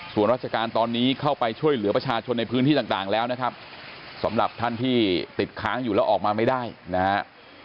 ส่วนราชการตอนนี้เข้าไปช่วยเหลือประชาชนในพื้นที่ต่างแล้วนะครับสำหรับท่านที่ติดค้างอยู่แล้วออกมาไม่ได้นะฮะ